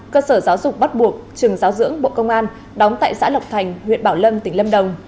cơ sở giáo dục bắt buộc trường giáo dưỡng bộ công an đóng tại xã lộc thành huyện bảo lâm tỉnh lâm đồng